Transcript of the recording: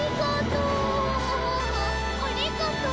ありがとう。